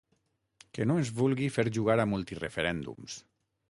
Que no ens vulgui fer jugar a multireferèndums.